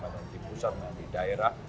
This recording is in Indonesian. mana yang di pusat mana yang di daerah